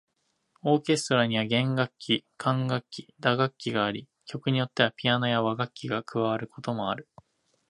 オーケストラには弦楽器、管楽器、打楽器があり、曲によってはピアノや和楽器が加わることもある。